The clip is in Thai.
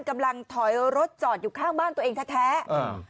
กำลังถอยรถจอดอยู่ข้างบ้านตัวเองแท้แท้อ่า